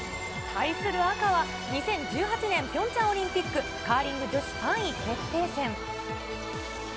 対する赤は、２０１８年ピョンチャンオリンピック、カーリング女子３位決定戦。